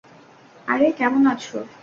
আরে, কেমন আছ?